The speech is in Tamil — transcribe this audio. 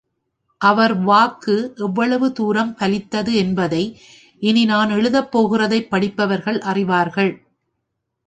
அவர் வாக்கு எவ்வளவு தூரம் பலித்தது என்பதை இனி நான் எழுதப் போகிறதைப் படிப்பவர்கள் அறிவார்கள்.